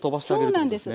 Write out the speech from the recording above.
そうなんです。